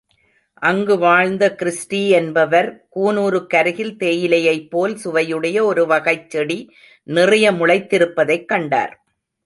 அங்கு வாழ்ந்த கிருஸ்டீ என்பவர், கூனூருக்கருகில் தேயிலையைப் போல் சுவையுடைய ஒருவகைச் செடி நிறைய முளைத்திருப்பதைக் கண்டார்.